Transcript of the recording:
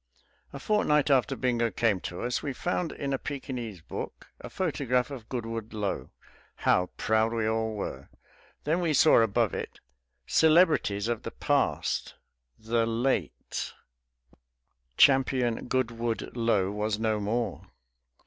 A fortnight after Bingo came to us we found in a Pekinese book a photograph of Goodwood Lo. How proud we all were! Then we saw above it, "Celebrities of the Past. The Late " Champion Goodwood Lo was no more!